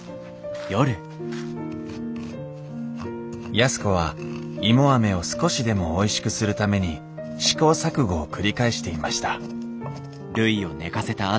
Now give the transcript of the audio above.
安子は芋アメを少しでもおいしくするために試行錯誤を繰り返していました